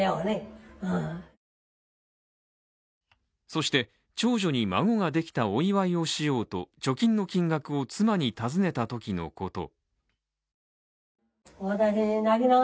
そして長女に孫ができたお祝いをしようと貯金の金額を妻に尋ねたときのこと。